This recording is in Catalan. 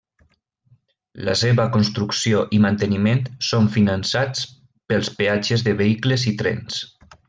La seva construcció i manteniment són finançats pels peatges de vehicles i trens.